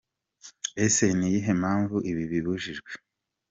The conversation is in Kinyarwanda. Ese ni iyihe mpamvu ibi bibujijwe?.